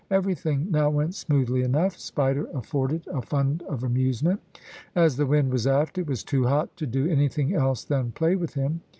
Everything now went smoothly enough. Spider afforded a fund of amusement. As the wind was aft, it was too hot to do anything else than play with him.